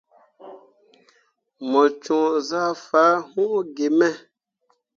Mu coo zah fah hun gi me.